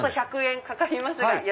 １００円かかりますが。